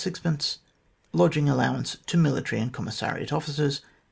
506 Lodging allowance to Military and Commissariat Officers